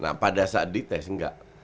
nah pada saat dites enggak